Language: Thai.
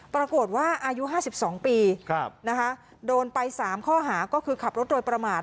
ปรากฏว่าอายุห้าสิบสองปีนะคะโดนไปสามข้อหาก็คือขับรถโดยประมาท